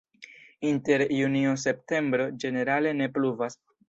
Inter junio-septembro ĝenerale ne pluvas.